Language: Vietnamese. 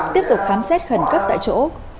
tiếp tục khám xét khẩn cấp tại chỗ